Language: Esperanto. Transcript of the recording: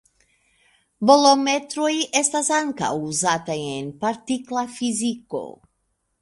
Bolometroj estas ankaŭ uzata en partikla fiziko.